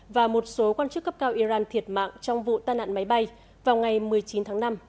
và một số quan chức cấp cao iran thiệt mạng trong vụ tàn nạn máy bay vào ngày một mươi chín tháng năm